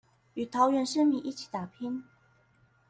與桃園市民一起打拼